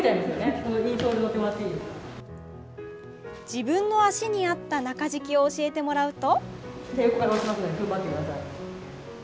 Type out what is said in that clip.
自分の足に合った中敷きを教えてもらうと。